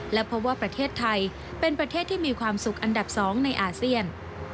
และพบว่าประเทศไทยเป็นประเทศที่มีความสุขอันดับ๒ในอาเซียน